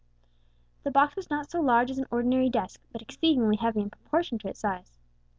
The box was not so large as an ordinary desk, but exceedingly heavy in proportion to its size.